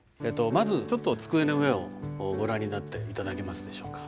まずちょっと机の上をご覧になって頂けますでしょうか。